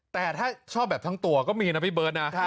แต่ถ้าชอบแบบทั้งตัวก็มีนะพี่เบิร์ตนะ